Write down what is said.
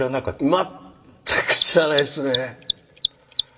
全く知らないっすね。